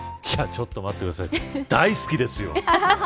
いやちょっと待ってください大好きですよ。